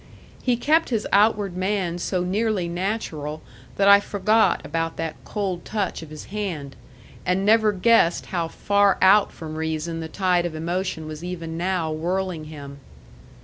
He kept his outward man so nearly natural that I forgot about that cold touch of his hand, and never guessed how far out from reason the tide of emotion was even now whirling him.